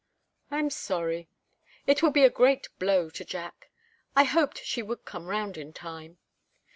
"I am sorry. It will be a great blow to Jack. I hoped she would come round in time."